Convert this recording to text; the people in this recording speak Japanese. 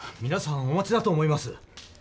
皆さんお待ちだと思います。